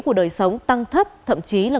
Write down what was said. của đời sống tăng thấp thậm chí là